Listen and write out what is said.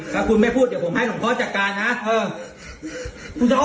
ถ้าคุณไม่พูดเดี๋ยวผมให้หลวงพ่อจัดการนะ